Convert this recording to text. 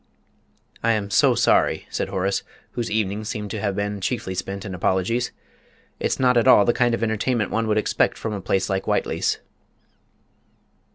"I am so sorry," said Horace, whose evening seemed to him to have been chiefly spent in apologies; "it's not at all the kind of entertainment one would expect from a place like Whiteley's."